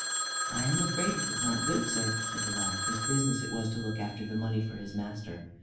"I am afraid It is not good, sir," said the lad, whose business it was to look at the money for his master.